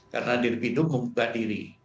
karena dirtipidum membuka diri